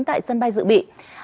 tại sân bay dự bị